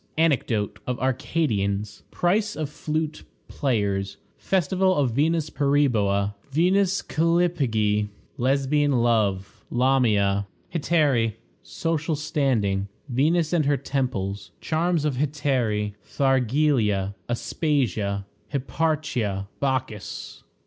Anecdote of Arcadians. Price of Flute players. Festival of Venus Periboa. Venus Callipyge. Lesbian Love. Lamia. Hetairæ. Social Standing. Venus and her Temples. Charms of Hetairæ. Thargelia. Aspasia. Hipparchia. Bacchis.